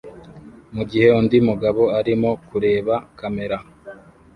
mugihe undi mugabo arimo kureba kamera